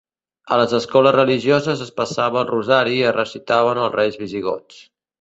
A les escoles religioses es passava el rosari i es recitaven els reis visigots.